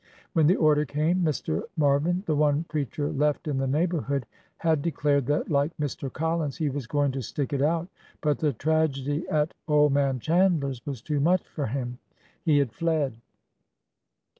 When the order came, Mr. Marvin, the one preacher left in the neighborhood, had declared that, like Mr. Collins, he was going to stick it out, but the tragedy at old man Chandler's was too much for him. He had fled.